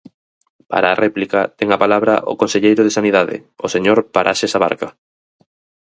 Para a réplica ten a palabra o conselleiro de Sanidade, o señor Paraxes Abarca.